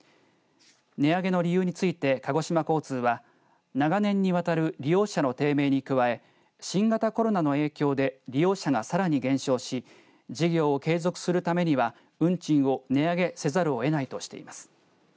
値上げの理由について鹿児島交通は長年にわたる利用者の低迷に加え新型コロナの影響で利用者がさらに減少し事業を継続するためには運賃を値上げせざるをえないとしています。